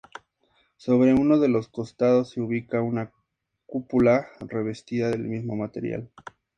Sobre uno de los costados se ubica una cúpula revestida del mismo material.